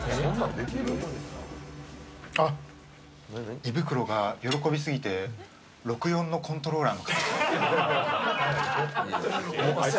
胃袋が喜びすぎて６４のコントローラーに。